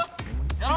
やろう。